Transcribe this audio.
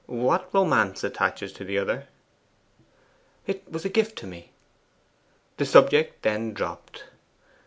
What romance attaches to the other?' 'It was a gift to me.' The subject then dropped.